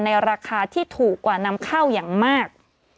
ราคาที่ถูกกว่านำเข้าอย่างมาก